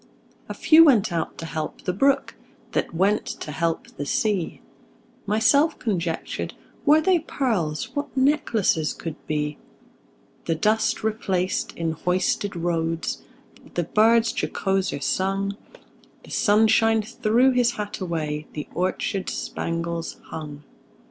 A few went out to help the brook, That went to help the sea. Myself conjectured, Were they pearls, What necklaces could be! The dust replaced in hoisted roads, The birds jocoser sung; The sunshine threw his hat away, The orchards spangles hung.